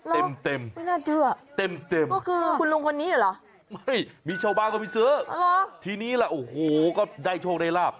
เต็มเต็มคุณลงคนนี้เหรอไม่มีชาวบ้านก็มีเสื้อทีนี้ก็ได้โชคได้ราบ